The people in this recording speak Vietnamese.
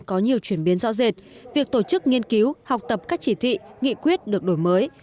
có nhiều chuyển biến rõ rệt việc tổ chức nghiên cứu học tập các chỉ thị nghị quyết được đổi mới